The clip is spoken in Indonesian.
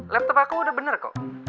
laptop aku udah bener kok